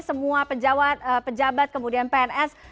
semua pejabat kemudian pns